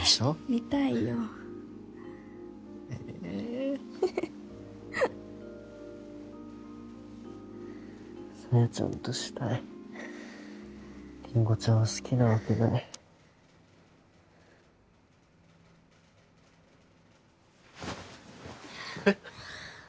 見たいよえ小夜ちゃんとしたいりんごちゃんを好きなわけないえっ？